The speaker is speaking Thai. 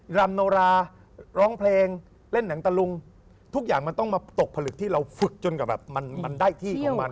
รำโนราร้องเพลงเล่นหนังตะลุงทุกอย่างมันต้องมาตกผลึกที่เราฝึกจนกับแบบมันได้ที่ของมัน